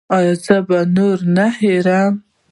ایا زه به نور نه هیروم؟